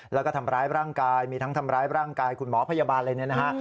แล้วก็ทำร้ายร่างกายมีทั้งทำร้ายร่างกายคุณหมอพยาบาลอะไรเนี่ยนะฮะ